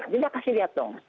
dinda kasih lihat dong